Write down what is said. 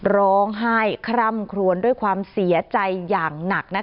ร้องไห้คร่ำครวนด้วยความเสียใจอย่างหนัก